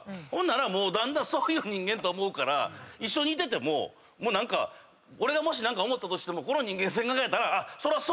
だんだんそういう人間と思うから一緒にいてても俺がもし何か思ったとしてもこの人間性で考えたら。